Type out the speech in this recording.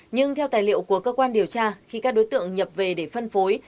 nhưng theo tài liệu của cơ quan điều tra khi các đối tượng nhập về để phân phối